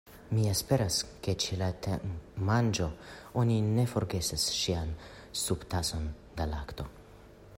Mi esperas ke ĉe la temanĝo oni ne forgesos ŝian subtason da lakto.